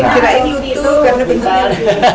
kirain luti itu bener bener